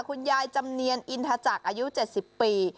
คุณยายจำเนียนอินทจักรอายุ๗๐ปี